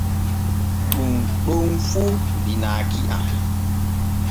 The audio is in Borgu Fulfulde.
Ɗun ɗon fu binaaki am.